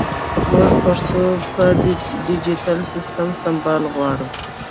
مونږ پښتو په ډیجېټل سیسټم سمبال غواړو